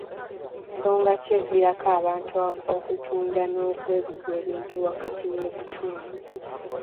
Nsonga ki eviirako abantu okutunda n'okweguza ebintu wakati w'ebitundu?